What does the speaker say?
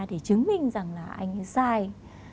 để chứng minh rằng là anh ấy sai